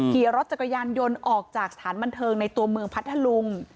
ขี่รถจักรยานยนต์ออกจากสถานบันเทิงในตัวเมืองพัทธลุง